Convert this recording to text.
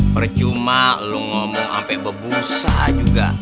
percuma lu ngomong ampe bebursa juga